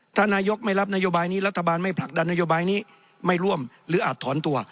ถ้านายกไม่รับนโยบายนี้รัฐบาลไม่ผลักดันนโยบายนี้ไม่ร่วมหรืออาจถอนตัว